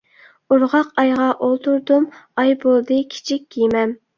ئورغاق ئايغا ئولتۇردۇم، ئاي بولدى كىچىك كېمەم.